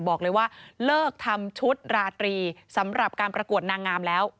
บอกเลยว่าเลิกทำชุดราตรีสำหรับการประกวดนางงามแล้ว